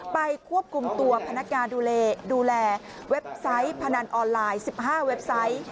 ควบคุมตัวพนักงานดูแลเว็บไซต์พนันออนไลน์๑๕เว็บไซต์